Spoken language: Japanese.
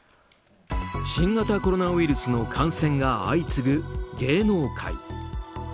新型コロナウイルスの感染が相次ぐ芸能界。